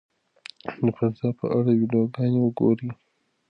د فضا په اړه ویډیوګانې وګورئ.